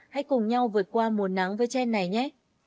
hãy cùng nhau vượt qua mùa nắng với trên này nhé